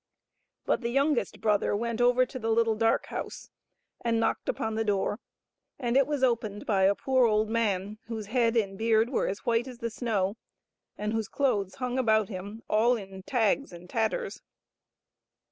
But the youngest brother went over to the little dark house and knocked upon the door, and it was opened by a poor old man whose head and beard were as white as the snow, and whose clothes hung about him all in tags and tatters.